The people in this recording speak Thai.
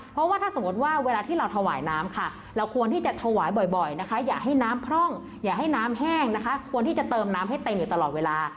เพราะว่าถ้าสมมติว่าเวลาที่เราถวายน้ำค่ะเราควรที่จะถวายบ่อยนะคะอย่าให้น้ำพร่องอย่าให้น้ำแห้งนะคะควรที่จะเติมน้ำให้เต็มอยู่ตลอดเวลา